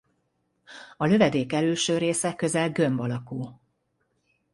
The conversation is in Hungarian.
A lövedék elülső része közel gömb alakú.